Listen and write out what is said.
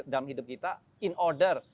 dalam hidup kita in order